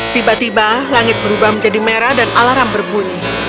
tiba tiba langit berubah menjadi merah dan alarm berbunyi